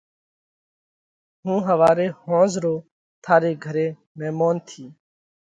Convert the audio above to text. هُون ۿواري ۿونز رو ٿاري گھري ميمونَ ٿِيه۔